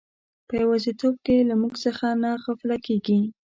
په یوازیتوب کې له موږ څخه نه غافله کیږي.